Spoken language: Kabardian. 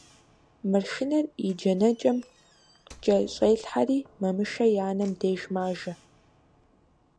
Маршынэр и джанэкӀэм кӀэщӀелъхьэри Мамышэ и анэм деж мажэ.